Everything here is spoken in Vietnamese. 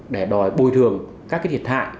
để đòi bồi thường các thiệt hại